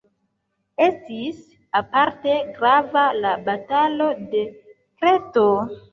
Estis aparte grava la Batalo de Kreto.